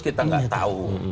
kita nggak tahu